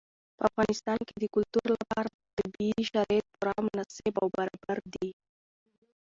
په افغانستان کې د کلتور لپاره طبیعي شرایط پوره مناسب او برابر دي.